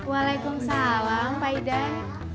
waalaikumsalam pak idan